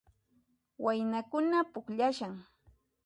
Waynakuna pukllashan